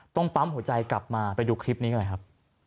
ต้องปั๊มหัวใจกลับมาไปดูคลิปนี้กันหน่อยครับ